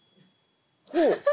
ほう！